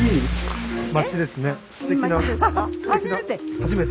初めて。